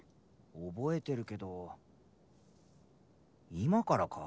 覚えてるけど今からか？